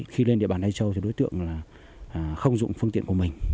khi lên địa bàn đài châu thì đối tượng không dụng phương tiện của mình